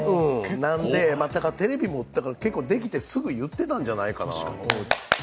テレビもできて、すぐ言ってたんじゃないかな？